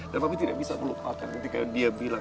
dan papi tidak bisa melupakan ketika dia bilang